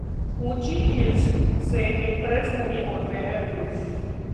ऊंची हील्स से इम्प्रेस नहीं होते हैं पुरुष